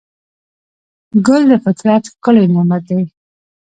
ګل د فطرت ښکلی نعمت دی.